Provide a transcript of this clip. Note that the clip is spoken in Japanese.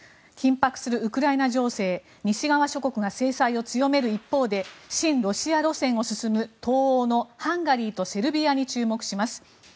緊迫するウクライナ情勢西側諸国が制裁を強める一方で親ロシア路線を進む東欧のハンガリーとセルビアに注目します。